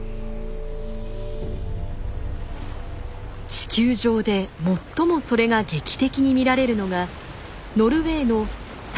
地球上で最もそれが劇的に見られるのがノルウェーのサルトストラウメン海峡。